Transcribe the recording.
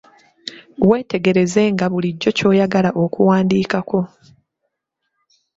Weetegereze nga bulijjo ky'oyagala okuwandiikako.